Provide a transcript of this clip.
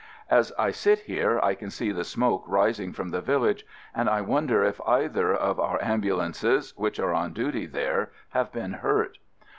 As I sit here I can see the smoke rising from the village, and I wonder if either of our ambulances which are on duty there have been hurt.